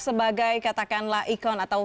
sebagai katakanlah ikon atau